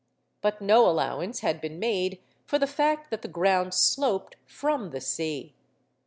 But no allowance had been made for the fact that the ground sloped from the sea.